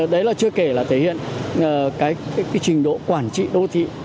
đấy là chưa kể là thể hiện cái trình độ quản trị đô thị